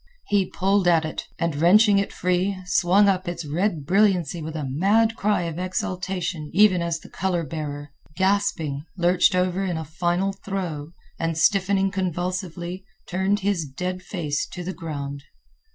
He pulled at it and, wrenching it free, swung up its red brilliancy with a mad cry of exultation even as the color bearer, gasping, lurched over in a final throe and, stiffening convulsively, turned his dead face to the ground.